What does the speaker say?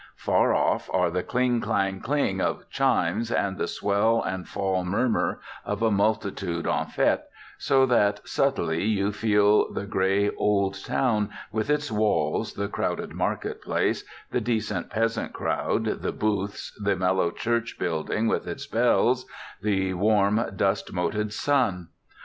Far off are the cling clang cling of chimes and the swell and fall murmur of a multitude en fête, so that subtly you feel the gray old town, with its walls, the crowded market place, the decent peasant crowd, the booths, the mellow church building with its bells, the warm, dust moted sun.